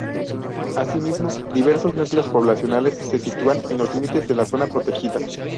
Asimismo, diversos núcleos poblacionales se sitúan en los límites de la zona protegida.